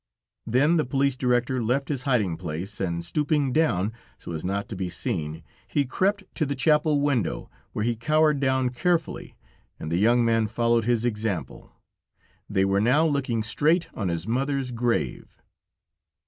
Then the police director left his hiding place, and stooping down, so as not to be seen, he crept to the chapel window, where he cowered down carefully, and the young man followed his example. They were now looking straight on his mother's grave.